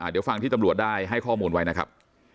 เดี๋ยวฟังที่ตำรวจได้ให้ข้อมูลไว้นะครับ